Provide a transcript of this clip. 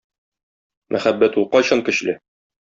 Мәхәббәт ул кайчан көчле?